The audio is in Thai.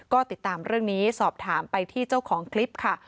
ก็ติดตามเรื่องนี้สอบถามไปที่เจ้าของคลิปค่ะ